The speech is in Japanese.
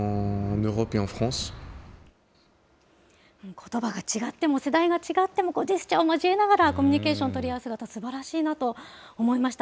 ことばが違っても、世代が違っても、ジェスチャーを交えながら、コミュニケーション取り合っているのは、すばらしいなと思いました。